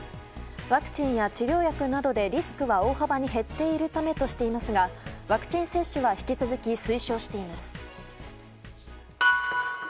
ワクチンや治療薬などでリスクは大幅に減っているためとしていますがワクチン接種は引き続き推奨しています。